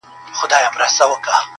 مُلا بیا ویل زه خدای یمه ساتلی.!